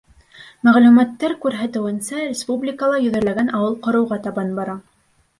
Мәғлүмәттәр күрһәтеүенсә, республикала йөҙәрләгән ауыл ҡороуға табан бара.